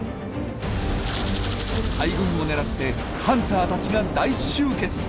大群を狙ってハンターたちが大集結！